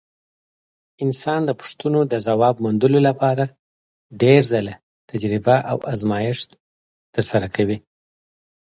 انسان د پوښتنو د ځواب موندلو لپاره ډېر ځله تجربه او ازمېښت ترسره کوي.